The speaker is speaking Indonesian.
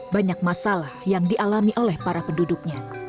banyak masalah yang dialami oleh para penduduknya